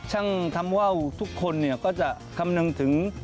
ช่างทำว่าวทุกคนก็จะคำนึงถึง